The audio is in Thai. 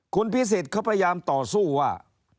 คุณพิสิทธิ์เขาพยายามต่อสู้ว่า